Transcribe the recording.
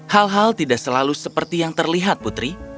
hal hal tidak selalu seperti yang terlihat putri